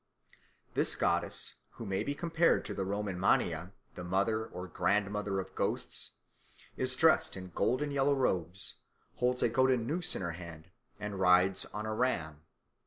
This goddess, who may be compared to the Roman Mania, the Mother or Grandmother of Ghosts, is dressed in golden yellow robes, holds a golden noose in her hand, and rides on a ram.